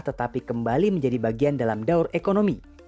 tetapi kembali menjadi bagian dalam daur ekonomi